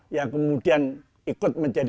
yang kemudian ikut menjadi